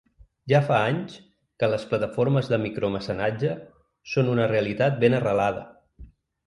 Ja fa anys que les plataformes de micromecenatge són una realitat ben arrelada.